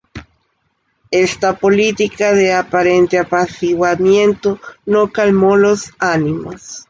Esta política de aparente apaciguamiento no calmó los ánimos.